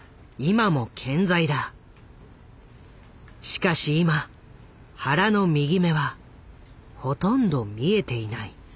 しかし今原の右目はほとんど見えていない。